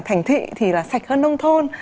thành thị thì là sạch hơn nông thôn